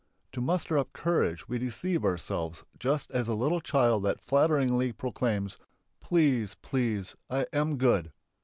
To muster up courage we deceive ourselves, just as the little child that falteringly proclaims: "Please, please! I am good.